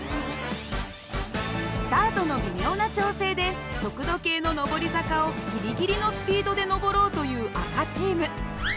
スタートの微妙な調整で速度計の上り坂をギリギリのスピードで上ろうという赤チーム。